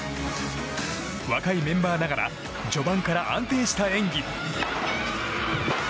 若いメンバーながら序盤から安定した演技。